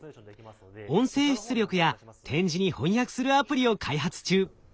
音声出力や点字に翻訳するアプリを開発中。